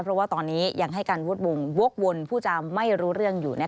เพราะว่าตอนนี้อย่างให้การวดวนพูดจามไม่รู้เรื่องอยู่